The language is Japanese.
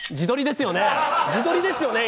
自撮りですよね？